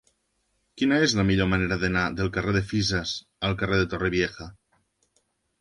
Quina és la millor manera d'anar del carrer de Fisas al carrer de Torrevieja?